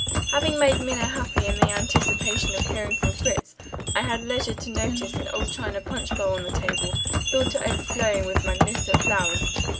Having made Minna happy in the anticipation of hearing from Fritz, I had leisure to notice an old china punch bowl on the table, filled to overflowing with magnificent flowers.